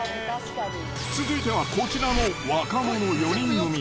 続いてはこちらの若者４人組。